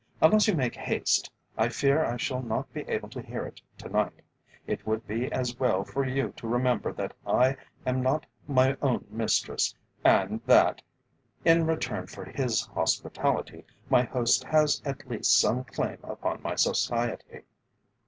"Unless you make haste, I fear I shall not be able to hear it to night. It would be as well for you to remember that I am not my own mistress, and that, in return for his hospitality, my host has at least some claim upon my society."